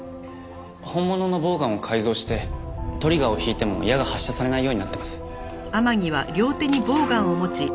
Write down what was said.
本物のボウガンを改造してトリガーを引いても矢が発射されないようになってます。